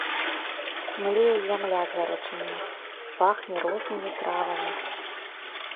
Млее зямля з гарачыні, пахне рознымі травамі.